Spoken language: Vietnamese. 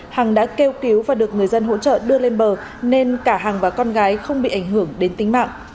hằng đã kêu cứu và được người dân hỗ trợ đưa lên bờ nên cả hằng và con gái không bị ảnh hưởng đến tính mạng